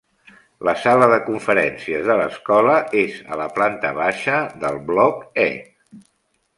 La sala de conferències de l'escola és a la planta baixa del bloc E.